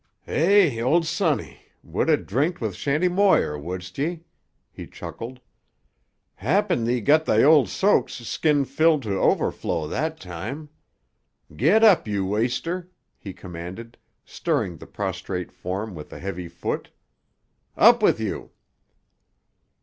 "Eh, old sonny! Would a drinked with Shanty Moir, wouldst 'ee?" he chuckled. "Happen thee got thy old soak's skin filled to overflow that time. Get up, you waster!" he commanded, stirring the prostrate form with a heavy foot "Up with you!"